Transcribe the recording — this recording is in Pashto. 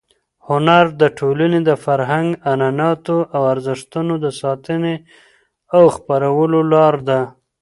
هنر د ټولنې د فرهنګ، عنعناتو او ارزښتونو د ساتنې او خپرولو لار ده.